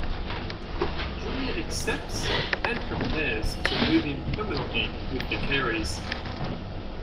Julia accepts, and prepares to move in permanently with the Careys.